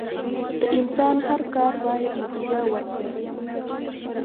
د انسان هر کار بايد نتیجه ورکړي.